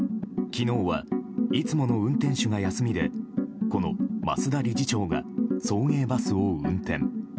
昨日は、いつもの運転手が休みでこの増田理事長が送迎バスを運転。